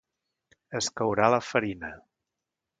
es courà la farina